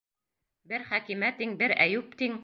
— Бер Хәкимә тиң, бер Әйүп тиң.